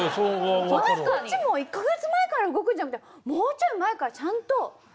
こっちも１か月前から動くんじゃなくてもうちょい前からちゃんと動けるのに。